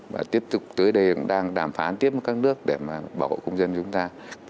và tiếp tục tới đây cũng đang đàm phán tiếp với các nước để mà bảo hộ công dân chúng ta